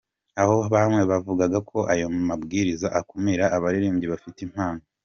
Aho bamwe bavugaga ko ayo mabwiriza akumira abaririmbyi bafite impano.